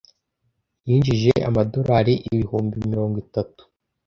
Yinjije amadorari ibihumbi mirongo itatu.